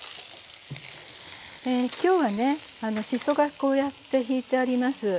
きょうはねしそがこうやってひいてあります。